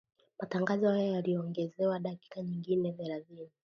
Matangazo hayo yaliongezewa dakika nyingine thelathini